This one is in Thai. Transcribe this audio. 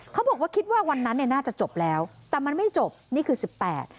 เขาบอกว่าคิดว่าวันนั้นเนี่ยน่าจะจบแล้วแต่มันไม่จบนี่คือสิบแปด